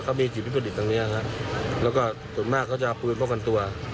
เขามีจิตวิประดิษฐ์ตรงเนี้ยฮะแล้วก็ส่วนมากเขาจะเอาปืนป้องกันตัว